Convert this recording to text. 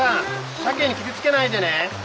鮭に傷つけないでね。